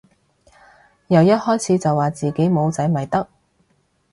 由一開始就話自己冇仔咪得